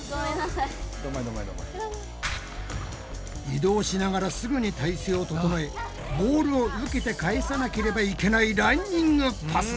移動しながらすぐに体勢を整えボールを受けて返さなければいけないランニングパス。